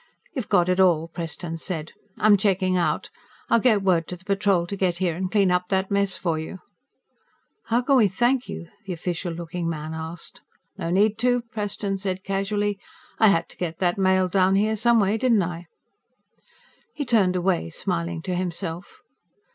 "You've got it all," Preston said. "I'm checking out. I'll get word to the Patrol to get here and clean up that mess for you." "How can we thank you?" the official looking man asked. "No need to," Preston said casually. "I had to get that mail down here some way, didn't I?" He turned away, smiling to himself.